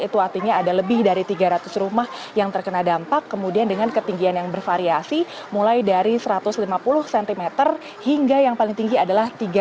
itu artinya ada lebih dari tiga ratus rumah yang terkena dampak kemudian dengan ketinggian yang bervariasi mulai dari satu ratus lima puluh cm hingga yang paling tinggi adalah tiga meter